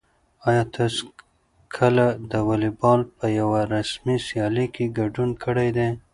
آیا تاسو کله د واليبال په یوه رسمي سیالۍ کې ګډون کړی دی؟